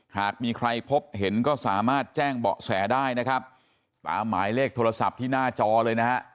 หากมีใครพบเห็นก็สามารถแจ้งเบาะแสได้นะครับตามหมายเลขโทรศัพท์ที่หน้าจอเลยนะฮะ